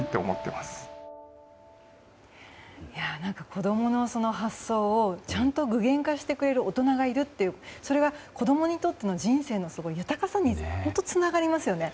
子供の発想をちゃんと具現化してくれる大人がいるっていうそれが子供にとっての人生の豊かさにつながりますよね。